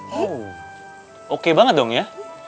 hmm oke banget dong ya